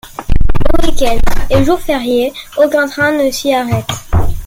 Le week-end et jours fériés, aucun train ne s'y arrête.